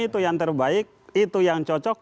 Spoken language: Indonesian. itu yang terbaik itu yang cocok